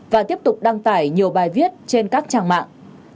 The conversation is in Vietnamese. và tiếp tục đăng tải nhiều bài viết trên các trang mạng